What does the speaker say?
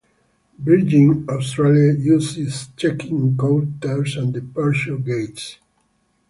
Virgin Australia uses its check-in counters and departure gates.